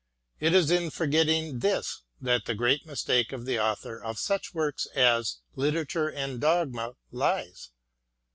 It is in forgetting this that the great mistake of the author of such a work as " Literature and Dogma " lies.